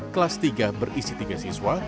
kelas tiga berisi tiga siswa